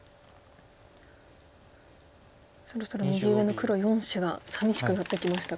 そろそろ右上の黒４子がさみしくなってきましたか？